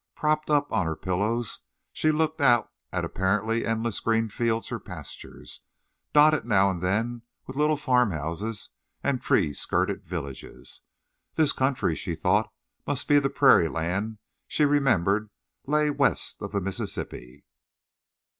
Propped up on her pillows, she looked out at apparently endless green fields or pastures, dotted now and then with little farmhouses and tree skirted villages. This country, she thought, must be the prairie land she remembered lay west of the Mississippi.